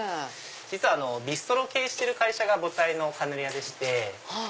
実はビストロを経営してる会社が母体のカヌレ屋でして。